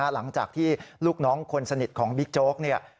หลังจากที่ลูกน้องคนสนิทของบิ๊กโจ๊กเนี่ย